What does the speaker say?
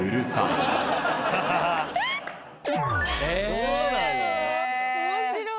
そうなの？